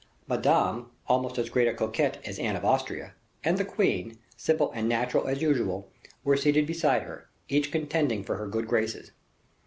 Madame, almost as great a coquette as Anne of Austria, and the queen, simple and natural as usual, were seated beside her, each contending for her good graces.